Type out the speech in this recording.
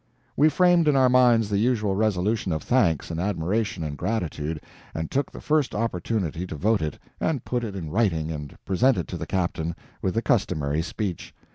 We framed in our minds the usual resolution of thanks and admiration and gratitude, and took the first opportunity to vote it, and put it in writing and present it to the captain, with the customary speech.